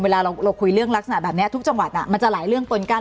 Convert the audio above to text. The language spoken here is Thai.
เวลาเราคุยเรื่องลักษณะแบบนี้ทุกจังหวัดมันจะหลายเรื่องปนกั้น